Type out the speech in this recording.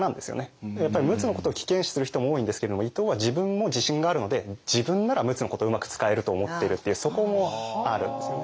やっぱり陸奥のことを危険視する人も多いんですけれども伊藤は自分も自信があるので自分なら陸奥のことをうまく使えると思っているっていうそこもあるんですよね。